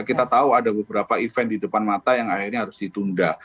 kita tahu ada beberapa event di depan mata yang akhirnya harus ditunda